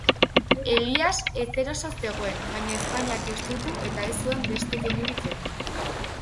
Elias ezeroso zegoen, baina ezpainak estutu eta ez zuen beste keinurik egin.